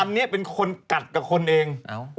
อันนี้เป็นคนกัดกับคนเอง